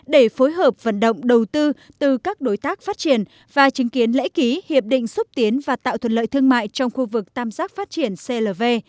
để phối hợp vận động đầu tư từ các đối tác phát triển và chứng kiến lễ ký hiệp định xúc tiến và tạo thuận lợi thương mại trong khu vực tam giác phát triển clv